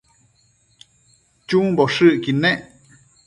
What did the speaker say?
chumboshëcquid nec